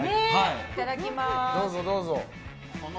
いただきます。